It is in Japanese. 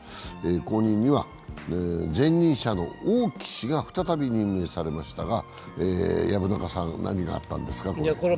後任には前任者の王毅氏が再び任命されましたが、何があったんですか、これ。